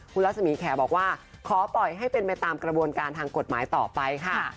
คุณรัศมีแขบอกว่าขอปล่อยให้เป็นไปตามกระบวนการทางกฎหมายต่อไปค่ะ